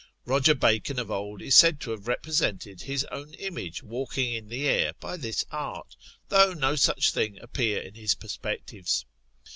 Roger Bacon of old is said to have represented his own image walking in the air by this art, though no such thing appear in his perspectives.